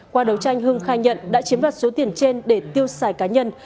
qua đấu tranh hưng khai nhận đã chiếm đoạt số tiền trên để tiêu xài cá nhân